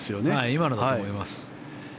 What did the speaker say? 今のだと思います。